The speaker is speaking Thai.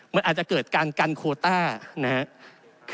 มันอาจจะเกิดการกันโคต้านะครับ